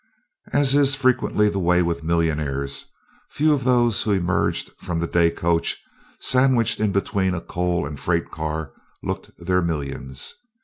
As is frequently the way with millionaires, few of those who emerged from the day coach sandwiched in between a coal and freight car, looked their millions.